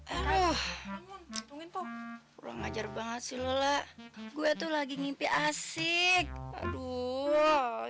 eruh ngajar banget sih lela gue tuh lagi ngimpi asyik aduh